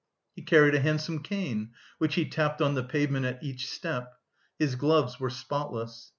He carried a handsome cane, which he tapped on the pavement at each step; his gloves were spotless.